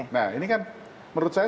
nah ini kan menurut saya